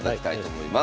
思います。